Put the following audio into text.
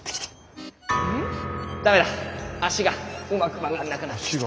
駄目だ足がうまく曲がんなくなってきた。